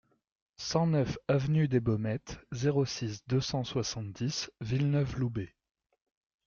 cent neuf avenue des Baumettes, zéro six, deux cent soixante-dix Villeneuve-Loubet